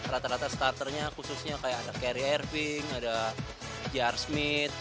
rata rata starternya khususnya kayak ada carry erving ada jar smith